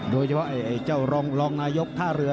โดยเฉพาะเจ้ารองนายกท่าเรือ